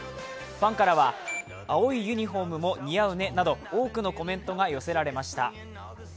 ファンからは青いユニフォームも似合うねなど多くのコメントが寄せられました。